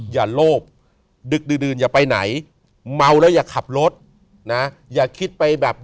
อย่าโลภดึกดื่นอย่าไปไหนเมาแล้วอย่าขับรถนะอย่าคิดไปแบบ